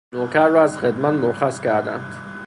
نوکر را از خدمت مرخص کردند